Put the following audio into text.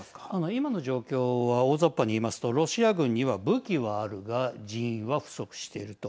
今の状況を大ざっぱに言いますとロシア軍には、武器はあるが人員は不足していると。